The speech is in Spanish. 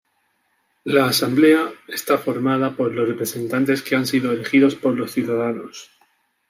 La Asamblea está formada por los representantes que han sido elegidos por los ciudadanos.